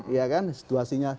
iya kan situasinya